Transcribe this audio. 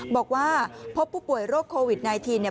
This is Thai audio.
บอกว่าพบผู้ป่วยโรคโควิด๑๙เนี่ย